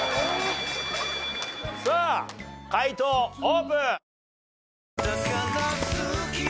さあ解答オープン！